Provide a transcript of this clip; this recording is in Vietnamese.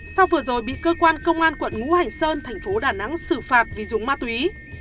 sau vừa rồi bị cơ quan công an quận ngũ hành sơn thành phố đà nẵng xử phạt vì dùng ma túy